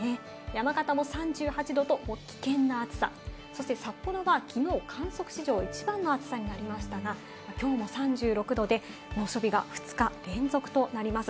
山形も３８度と危険な暑さ、そして札幌はきのう、観測史上一番の暑さになりましたが、きょうも３６度で猛暑日が２日連続となります。